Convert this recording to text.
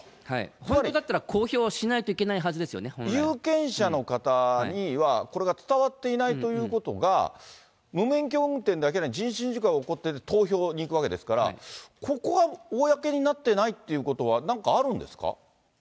本当だったら公表しないといけないはずですよね、有権者の方にはこれが伝わっていないということが、無免許運転、人身事故が起こってて、投票に行くわけですから、ここが公になっていないということは、なんかあるんですか。